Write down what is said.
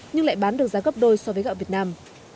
nhưng lại bán được giá gấp đôi so với gạo việt nam